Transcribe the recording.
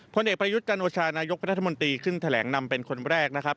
ผลเอกประยุทธ์จันโอชานายกรัฐมนตรีขึ้นแถลงนำเป็นคนแรกนะครับ